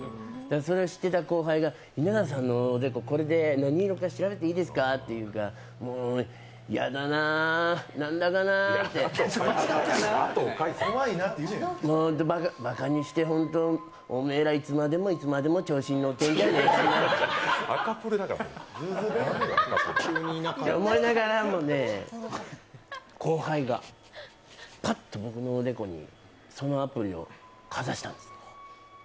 それを知ってた後輩が稲田さんのおでこ、何色かこれで調べていいですかって言うから、やだなーなんだかなーってばかにしてホント、おめえらいつまでもいつまでも調子に乗ってんじゃねえかんなって思いながら、後輩がパッと僕のおでこにそのアプリをかざしたんです。